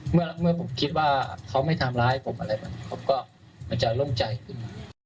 เมื่อผมคิดว่าเขาไม่ทำร้ายผมอะไรมันก็จะร่มใจขึ้น